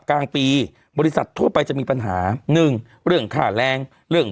กลางปีบริษัททั่วไปจะมีปัญหาหนึ่งเรื่องค่าแรงเรื่อง